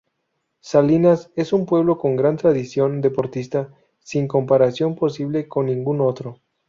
Salinas es un pueblo con gran tradición deportista, sin comparación posible con ningún otro.